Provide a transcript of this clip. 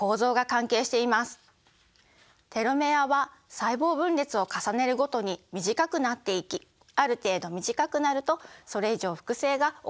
テロメアは細胞分裂を重ねるごとに短くなっていきある程度短くなるとそれ以上複製が行われないようになります。